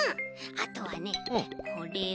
あとはねこれを。